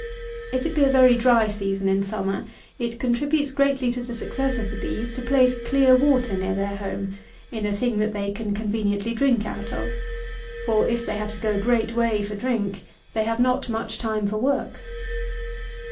If it be a very dry season in summer, it contributes greatly to the success of the bees, to place clear water near their home, in a thing that they can conveniently drink out of; for if they have to go a great way for drink, they have not much time for work.